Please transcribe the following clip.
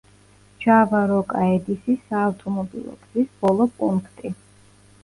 ჯავა–როკა–ედისის საავტომობილო გზის ბოლო პუნქტი.